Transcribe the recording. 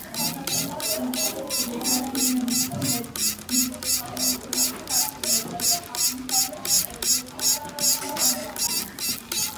თავდაპირველად იგი გაცილებით მეტი პოპულარობით სარგებლობდა აღმოსავლეთ ევროპის ქვეყნებში.